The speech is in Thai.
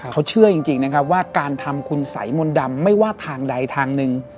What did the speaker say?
เขาเชื่อจริงนะครับว่าการทำคุณสัยมนต์ดำไม่ว่าทางใดทางหนึ่ง